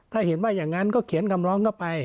ถ้าเห็นว่าอย่างนั้นก็เขียนคำร้องเข้าไป